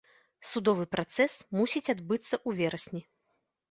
Судовы працэс мусіць адбыцца ў верасні.